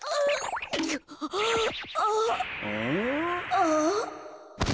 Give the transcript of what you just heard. ああ。